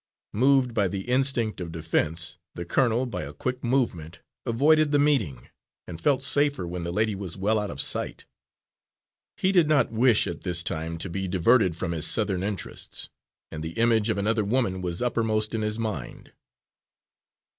Moved by the instinct of defense, the colonel, by a quick movement, avoided the meeting, and felt safer when the lady was well out of sight. He did not wish, at this time, to be diverted from his Southern interests, and the image of another woman was uppermost in his mind.